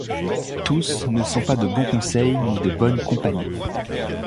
Tous ne sont pas de bons conseils ni de bonnes compagnies.